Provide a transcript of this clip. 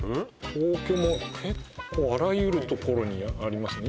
東京も結構あらゆる所にありますね